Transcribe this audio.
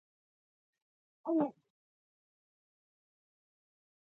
لوستونکو وخت یې نیوی.